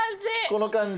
この感じ。